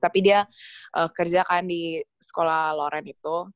tapi dia kerja kan di sekolah loren itu